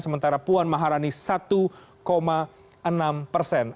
sementara puan maharani satu enam persen